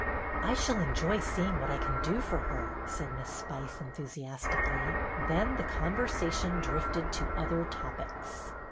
" I shall enjoy seeing what I can do for her," said Miss Spice, enthusiastically ; then the conversation drifted to other topics.